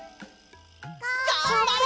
がんばれ！